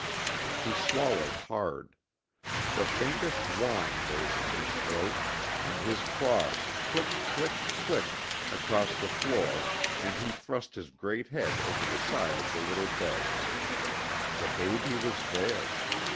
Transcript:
He swallowed hard; the faintest whine rose in his throat and his claws CLICKED, CLICKED, CLICKED, across the floor and he thrust his great head over the side of the little bed. The baby was there.